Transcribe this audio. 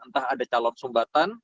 entah ada calon sumbatan